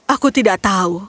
aku tidak tahu